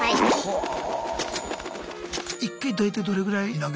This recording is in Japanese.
はあ！